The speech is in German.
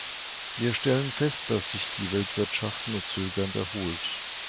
Wir stellen fest, dass sich die Weltwirtschaft nur zögernd erholt.